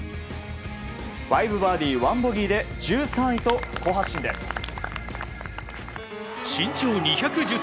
５バーディー１ボギーで１３位と好発進です。